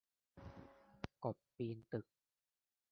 กบปีนตึก